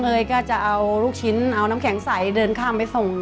เอยก็จะเอาลูกชิ้นเอาน้ำแข็งใสเดินข้ามไปส่ง